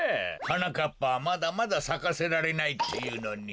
はなかっぱはまだまださかせられないっていうのに。